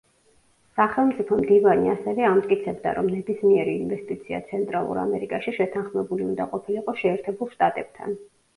სახელმწიფო მდივანი ასევე ამტკიცებდა, რომ ნებისმიერი ინვესტიცია ცენტრალურ ამერიკაში შეთანხმებული უნდა ყოფილიყო შეერთებულ შტატებთან.